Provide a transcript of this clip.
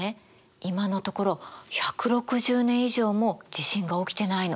今のところ１６０年以上も地震が起きてないの。